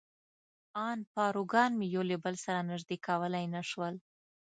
ان پاروګان مې یو له بل سره نژدې کولای نه شول.